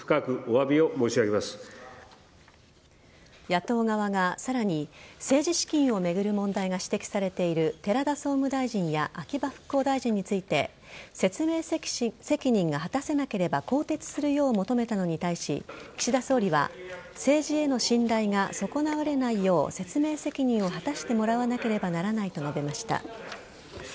野党側がさらに政治資金を巡る問題が指摘されている寺田総務大臣や復興大臣について説明責任が果たせなければ更迭するよう求めたのに対し岸田総理は政治への信頼が損なわれないよう説明責任を果たしてもらわなければならないと述べました。